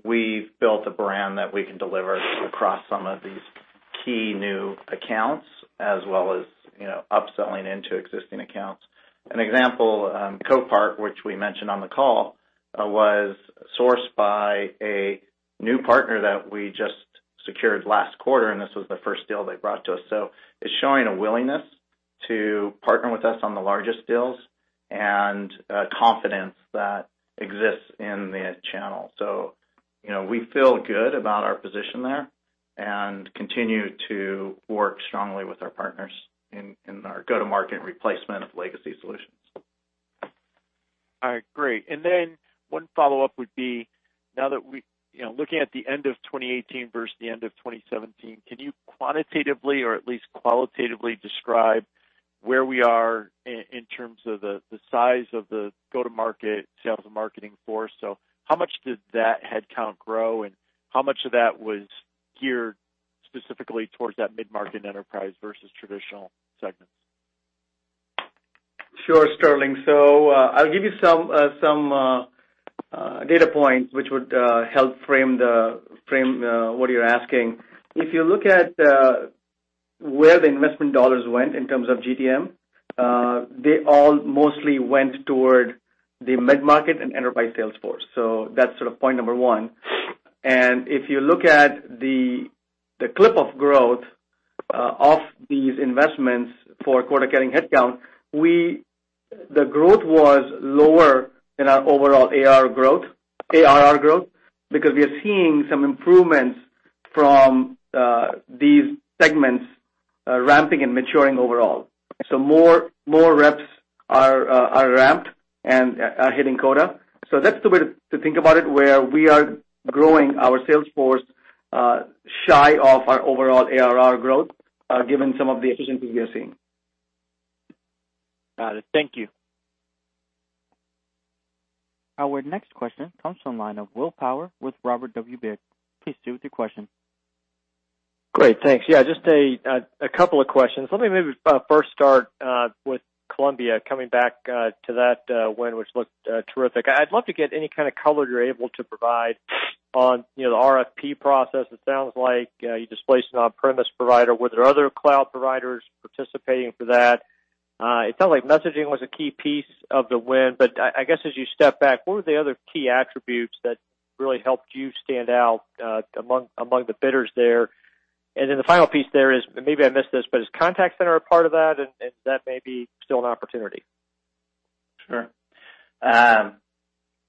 We've built a brand that we can deliver across some of these key new accounts as well as upselling into existing accounts. An example, Copart, which we mentioned on the call, was sourced by a new partner that we just secured last quarter, this was the first deal they brought to us. It's showing a willingness to partner with us on the largest deals and a confidence that exists in the channel. We feel good about our position there and continue to work strongly with our partners in our go-to-market replacement of legacy solutions. All right, great. One follow-up would be now that we, looking at the end of 2018 versus the end of 2017, can you quantitatively or at least qualitatively describe where we are in terms of the size of the go-to-market sales and marketing force? How much did that headcount grow, and how much of that was geared specifically towards that mid-market enterprise versus traditional segments? Sure, Sterling. I'll give you some data points which would help frame what you're asking. If you look at where the investment dollars went in terms of GTM, they all mostly went toward the mid-market and enterprise sales force. That's point number one. If you look at the clip of growth of these investments for quota-carrying headcount, the growth was lower than our overall ARR growth, because we are seeing some improvements from these segments ramping and maturing overall. More reps are ramped and are hitting quota. That's the way to think about it, where we are growing our sales force shy of our overall ARR growth given some of the efficiencies we are seeing. Got it. Thank you. Our next question comes from the line of Will Power with Robert W. Baird. Please proceed with your question. Great. Thanks. Yeah, just a couple of questions. Let me maybe first start with Columbia, coming back to that win, which looked terrific. I'd love to get any kind of color you're able to provide on the RFP process, it sounds like you displaced an on-premise provider. Were there other cloud providers participating for that? It sounds like messaging was a key piece of the win, but I guess as you step back, what were the other key attributes that really helped you stand out among the bidders there? The final piece there is, maybe I missed this, but is Contact Center a part of that? If that may be still an opportunity. Sure.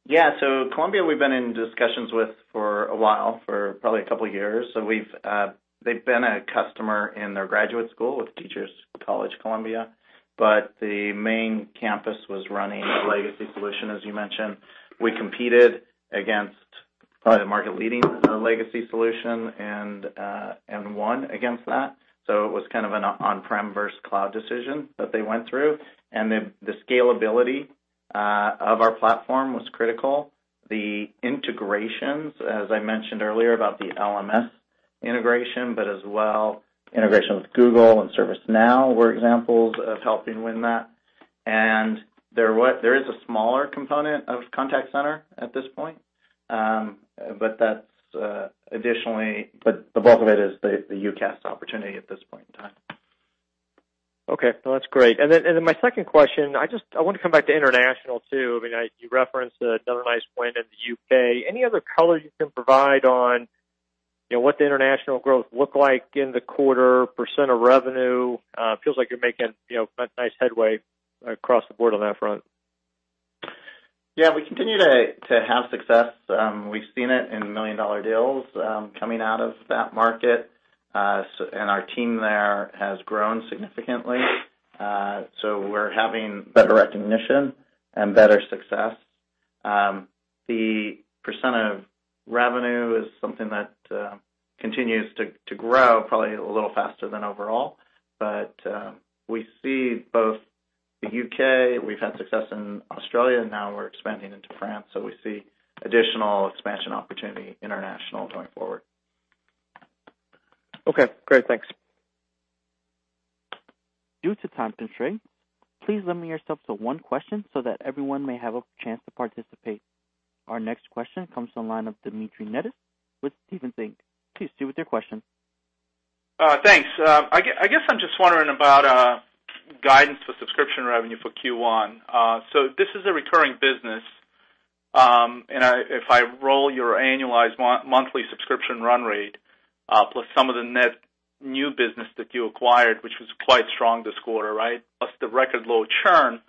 Yeah. Columbia, we've been in discussions with for a while, for probably a couple of years. They've been a customer in their graduate school with Teachers College, Columbia. The main campus was running a legacy solution, as you mentioned. We competed against the market-leading legacy solution and won against that. It was kind of an on-prem versus cloud decision that they went through. The scalability of our platform was critical. The integrations, as I mentioned earlier about the LMS integration, as well, integration with Google and ServiceNow were examples of helping win that. There is a smaller component of Contact Center at this point. The bulk of it is the UCaaS opportunity at this point in time. Okay. No, that's great. My second question, I want to come back to international too. You referenced another nice win in the U.K. Any other color you can provide on what the international growth looked like in the quarter, percent of revenue? It feels like you're making quite nice headway across the board on that front. We continue to have success. We've seen it in million-dollar deals coming out of that market, and our team there has grown significantly. We're having better recognition and better success. The percent of revenue is something that continues to grow probably a little faster than overall. We see both the U.K., we've had success in Australia, now we're expanding into France. We see additional expansion opportunity international going forward. Okay, great. Thanks. Due to time constraint, please limit yourself to one question so that everyone may have a chance to participate. Our next question comes from the line of Dmitry Netis with Stephens Inc. Please, Dmitry, with your question. Thanks. I guess I'm just wondering about guidance for subscription revenue for Q1. This is a recurring business, and if I roll your annualized monthly subscription run rate, plus some of the net new business that you acquired, which was quite strong this quarter, right? Plus the record low churn,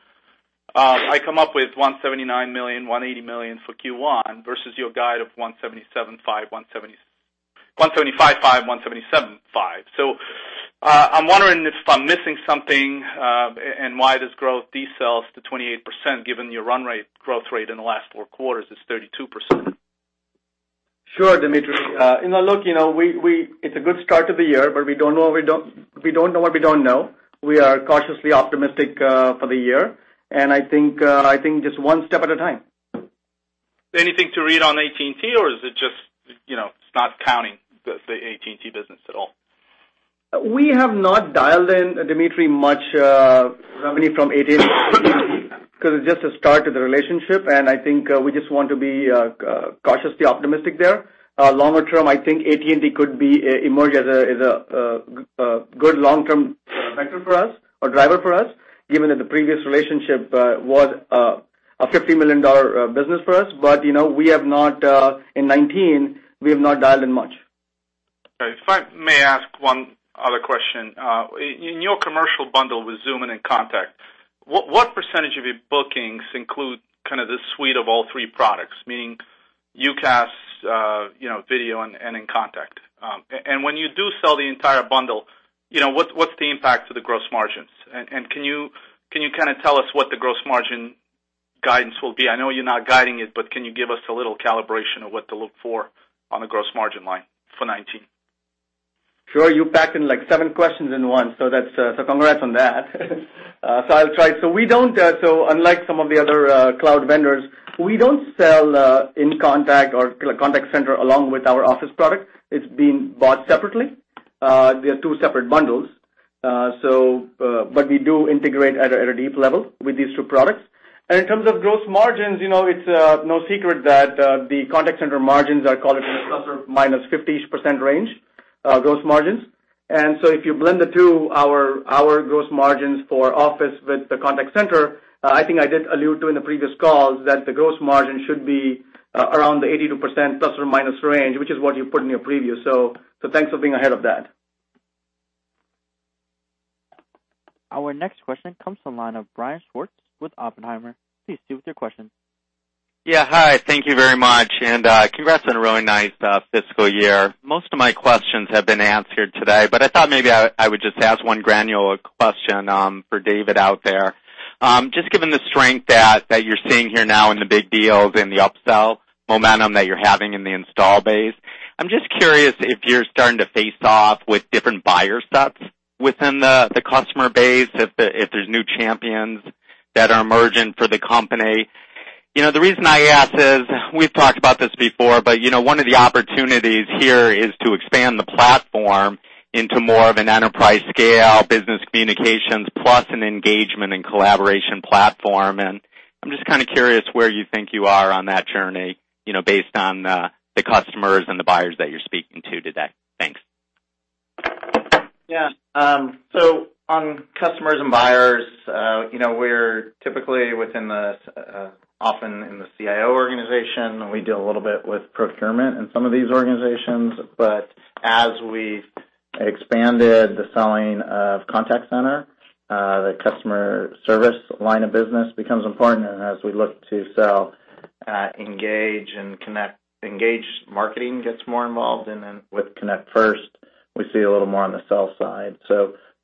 I come up with $179 million-$180 million for Q1 versus your guide of $175.5 million-$177.5 million. I'm wondering if I'm missing something and why this growth decels to 28% given your run rate growth rate in the last four quarters is 32%. Sure, Dmitry. Look, it's a good start to the year. We don't know what we don't know. We are cautiously optimistic for the year, I think just one step at a time. Anything to read on AT&T, is it just it's not counting the AT&T business at all? We have not dialed in, Dmitry, much revenue from AT&T because it's just a start to the relationship, I think we just want to be cautiously optimistic there. Longer term, I think AT&T could emerge as a good long-term factor for us or driver for us, given that the previous relationship was a $50 million business for us. In 2019, we have not dialed in much. Okay. If I may ask one other question. In your commercial bundle with Zoom and inContact, what percentage of your bookings include kind of the suite of all three products, meaning UCaaS, Video, and inContact? When you do sell the entire bundle, what's the impact to the gross margins? Can you kind of tell us what the gross margin guidance will be? I know you're not guiding it, but can you give us a little calibration of what to look for on the gross margin line for 2019? Sure. You packed in like seven questions in one, congrats on that. I'll try. Unlike some of the other cloud vendors, we don't sell inContact or Contact Center along with our Office product. It's being bought separately. They are two separate bundles. We do integrate at a deep level with these two products. In terms of gross margins, it's no secret that the Contact Center margins are call it in a ±50-ish% range, gross margins. If you blend the two, our gross margins for Office with the Contact Center, I think I did allude to in the previous calls that the gross margin should be around the 82% ± range, which is what you put in your preview. Thanks for being ahead of that. Our next question comes from the line of Brian Schwartz with Oppenheimer. Please, Steve, with your question. Yeah. Hi, thank you very much, congrats on a really nice fiscal year. Most of my questions have been answered today, I thought maybe I would just ask one granular question for David out there. Just given the strength that you're seeing here now in the big deals and the upsell momentum that you're having in the install base, I'm just curious if you're starting to face off with different buyer sets within the customer base, if there's new champions that are emerging for the company. The reason I ask is, we've talked about this before, one of the opportunities here is form into more of an enterprise scale business communications, plus an engagement and collaboration platform. I'm just curious where you think you are on that journey, based on the customers and the buyers that you're speaking to today. Thanks. Yeah. On customers and buyers, we're typically within the, often in the CIO organization, we deal a little bit with procurement in some of these organizations. As we expanded the selling of Contact Center, the customer service line of business becomes important as we look to sell, Engage and Connect. Engage marketing gets more involved, with Connect First, we see a little more on the sell side.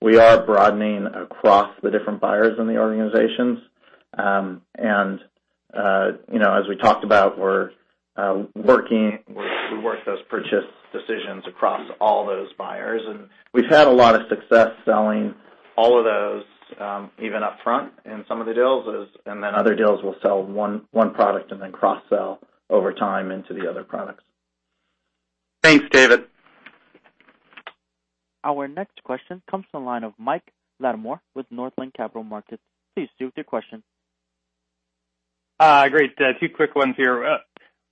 We are broadening across the different buyers in the organizations. As we talked about, we work those purchase decisions across all those buyers. We've had a lot of success selling all of those, even upfront in some of the deals as, other deals we'll sell one product and then cross-sell over time into the other products. Thanks, David. Our next question comes from the line of Mike Latimore with Northland Capital Markets. Please proceed with your question. Great. Two quick ones here.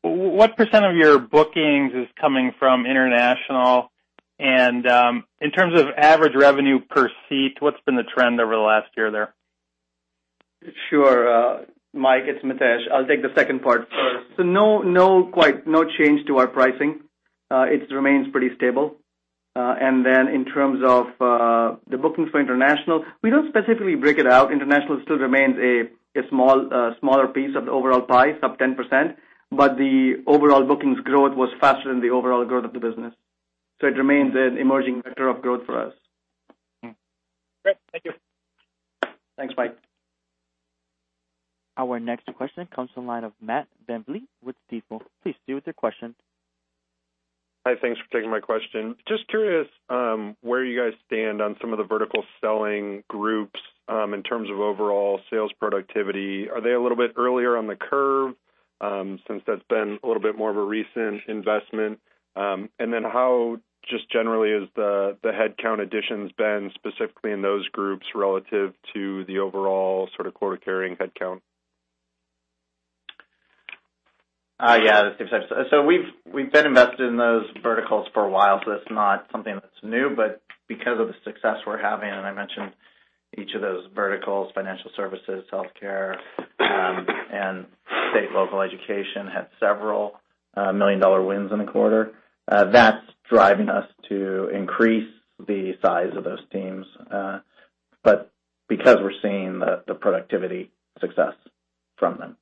What percent of your bookings is coming from international? In terms of average revenue per seat, what's been the trend over the last year there? Sure. Mike, it's Mitesh. I'll take the second part first. No change to our pricing. It remains pretty stable. In terms of the bookings for international, we don't specifically break it out. International still remains a smaller piece of the overall pie, sub 10%, but the overall bookings growth was faster than the overall growth of the business. It remains an emerging vector of growth for us. Great. Thank you. Thanks, Mike. Our next question comes from the line of Matt Van Vliet with Stifel. Please proceed with your question. Hi. Thanks for taking my question. Just curious where you guys stand on some of the vertical selling groups, in terms of overall sales productivity. Are they a little bit earlier on the curve, since that's been a little bit more of a recent investment? How, just generally, has the headcount additions been specifically in those groups relative to the overall sort of quarter carrying headcount? Yeah. We've been invested in those verticals for a while, so it's not something that's new. Because of the success we're having, and I mentioned each of those verticals, financial services, healthcare, and state local education had several million-dollar wins in the quarter. That's driving us to increase the size of those teams. Because we're seeing the productivity success from them.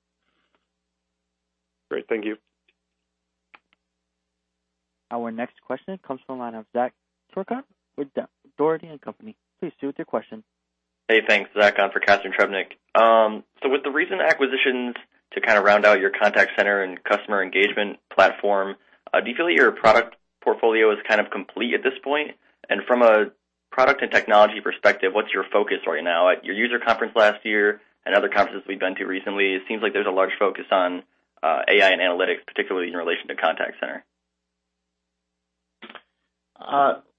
Great. Thank you. Our next question comes from the line of Zack Turcotte with Dougherty & Company. Please proceed with your question. Hey, thanks. Zack on for Catharine Trebnick. With the recent acquisitions to kind of round out your Contact Center and customer engagement platform, do you feel like your product portfolio is kind of complete at this point? From a product and technology perspective, what's your focus right now? At your user conference last year and other conferences we've been to recently, it seems like there's a large focus on AI and analytics, particularly in relation to Contact Center.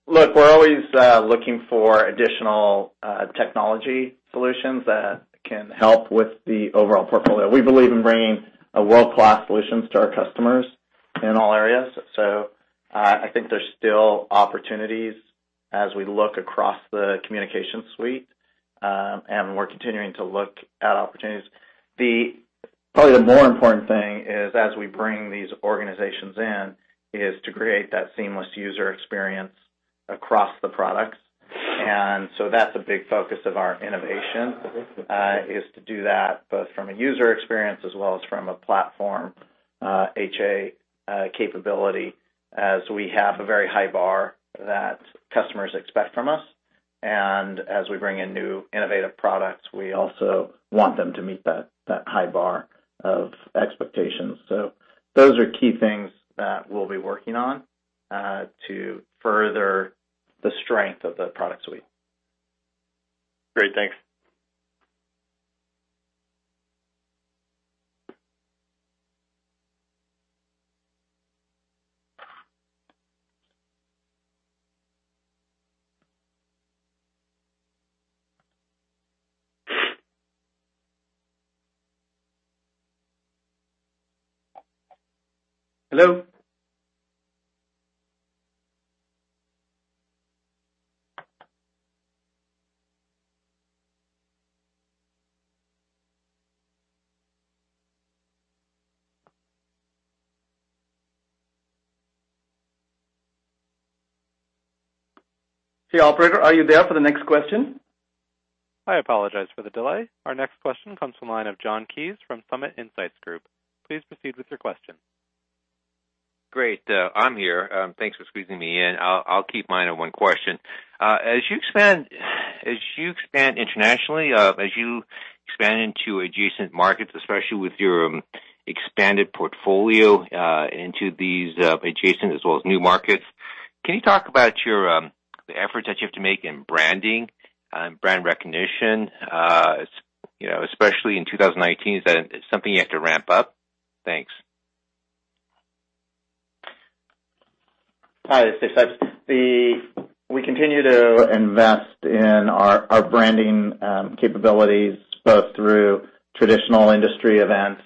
Look, we're always looking for additional technology solutions that can help with the overall portfolio. We believe in bringing world-class solutions to our customers in all areas. I think there's still opportunities as we look across the communication suite. We're continuing to look at opportunities. Probably the more important thing is as we bring these organizations in, is to create that seamless user experience across the products. That's a big focus of our innovation, is to do that both from a user experience as well as from a platform, HA capability, as we have a very high bar that customers expect from us. As we bring in new innovative products, we also want them to meet that high bar of expectations. Those are key things that we'll be working on, to further the strength of the product suite. Great. Thanks. Hey, operator. Are you there for the next question? I apologize for the delay. Our next question comes from the line of Jonathan Kees from Summit Insights Group. Please proceed with your question. Great. I'm here. Thanks for squeezing me in. I'll keep mine at one question. As you expand internationally, as you expand into adjacent markets, especially with your expanded portfolio into these adjacent as well as new markets, can you talk about your efforts that you have to make in branding and brand recognition, especially in 2019, is that something you have to ramp up? Thanks. Hi, this is Dave Sipes. We continue to invest in our branding capabilities, both through traditional industry events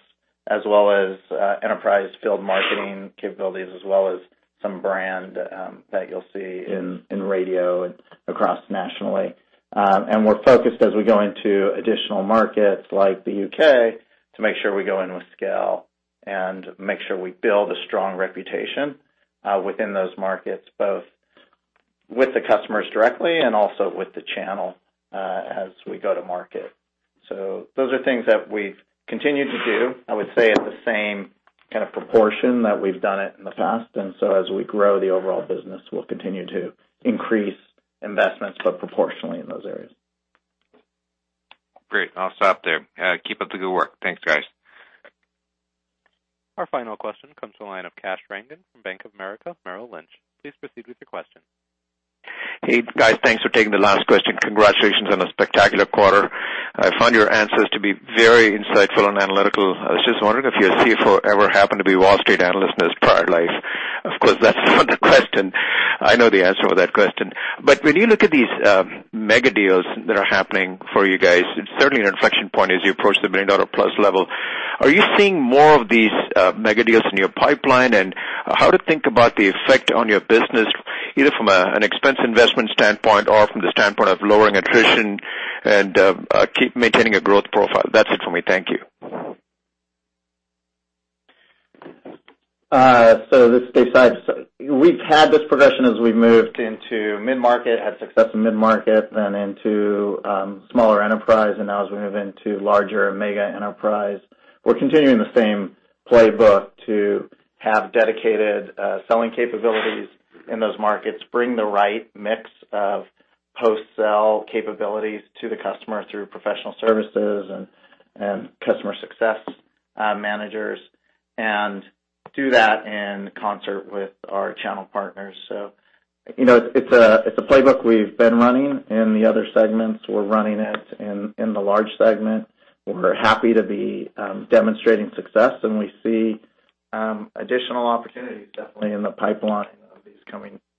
as well as enterprise field marketing capabilities, as well as some brand that you'll see in radio and across nationally. We're focused as we go into additional markets like the U.K. to make sure we go in with scale and make sure we build a strong reputation within those markets, both with the customers directly and also with the channel as we go to market. Those are things that we've continued to do, I would say, at the same kind of proportion that we've done it in the past. As we grow, the overall business will continue to increase investments, but proportionally in those areas. Great. I'll stop there. Keep up the good work. Thanks, guys. Our final question comes to the line of Kash Rangan from Bank of America Merrill Lynch. Please proceed with your question. Hey, guys. Thanks for taking the last question. Congratulations on a spectacular quarter. I found your answers to be very insightful and analytical. I was just wondering if your CFO ever happened to be Wall Street analyst in his prior life. Of course, that's not a question. I know the answer to that question. When you look at these mega deals that are happening for you guys, it's certainly an inflection point as you approach the billion-dollar-plus level. Are you seeing more of these mega deals in your pipeline? How to think about the effect on your business, either from an expense investment standpoint or from the standpoint of lowering attrition and maintaining a growth profile. That's it for me. Thank you. This is Dave Sipes. We've had this progression as we've moved into mid-market, had success in mid-market, then into smaller enterprise, and now as we move into larger mega enterprise. We're continuing the same playbook to have dedicated selling capabilities in those markets, bring the right mix of post-sell capabilities to the customer through professional services and customer success managers, and do that in concert with our channel partners. It's a playbook we've been running in the other segments. We're running it in the large segment. We're happy to be demonstrating success, and we see additional opportunities definitely in the pipeline of these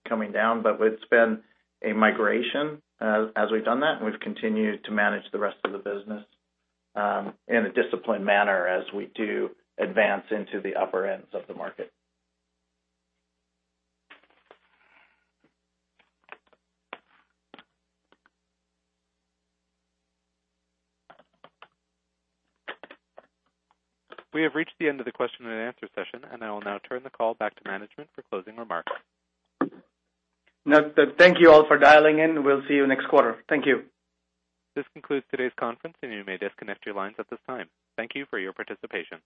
coming down. It's been a migration as we've done that, and we've continued to manage the rest of the business in a disciplined manner as we do advance into the upper ends of the market. We have reached the end of the question and answer session, and I will now turn the call back to management for closing remarks. Thank you all for dialing in. We'll see you next quarter. Thank you. This concludes today's conference, and you may disconnect your lines at this time. Thank you for your participation.